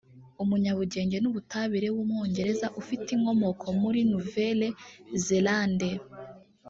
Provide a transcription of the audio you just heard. umunyabugenge n’ubutabire w’umwongereza ufite inkomoko muri Nouvelle Zelande